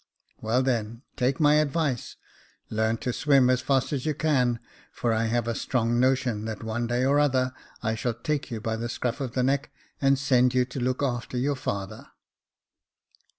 " Well, then, take my advice — learn to swim as fast as you can •, for I have a strong notion that one day or other, I shall take you by the scruff of the neck, and send you to look after your father."